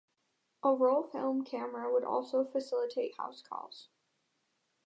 A roll film camera would also facilitate house calls.